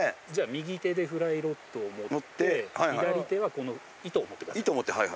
右手でフライロッドを持って左手はこの糸を持ってください。